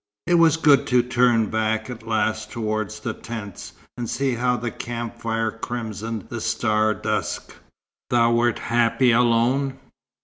It was good to turn back at last towards the tents, and see how the camp fire crimsoned the star dusk. "Thou wert happy alone?"